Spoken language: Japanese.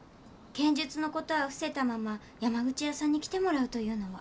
剣術の事は伏せたまま山口屋さんに来てもらうというのは。